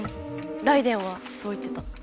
ライデェンはそう言ってた。